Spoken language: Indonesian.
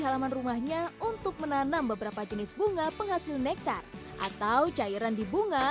halaman rumahnya untuk menanam beberapa jenis bunga penghasil nektar atau cairan di bunga